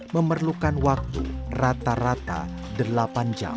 memerlukan waktu rata rata delapan jam